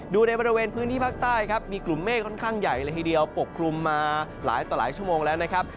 ในบริเวณพื้นที่ภาคใต้ครับมีกลุ่มเมฆค่อนข้างใหญ่เลยทีเดียวปกคลุมมาหลายต่อหลายชั่วโมงแล้วนะครับ